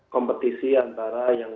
kompetisi antara yang